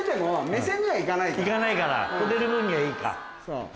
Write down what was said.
行かないから出る分にはいいか。